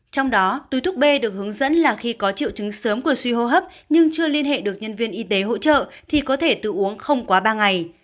trong đó túi thuốc b được hướng dẫn là khi có triệu chứng sớm của suy hô hấp nhưng chưa liên hệ được nhân viên y tế hỗ trợ thì có thể tự uống không quá ba ngày